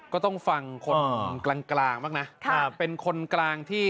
ก็ต้องฟังคนกลางบ้างนะเป็นคนกลางที่